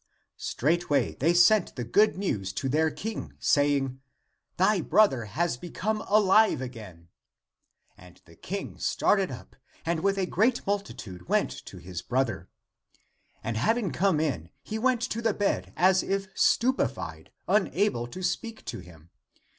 Straightway they sent the good news to their King, saying, " Thy brother has become alive again !" And the King started up, and with a great multitude went to his brother. And having come in he went to the bed as if stupe fied, unable to speak to him.